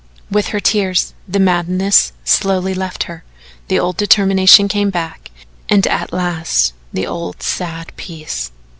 With her tears the madness slowly left her, the old determination came back again and at last the old sad peace.